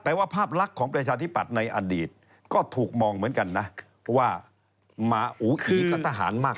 แต่ว่าภาพลักษณ์ของประชาธิปัตย์ในอดีตก็ถูกมองเหมือนกันนะว่ามาอูขีกับทหารมาก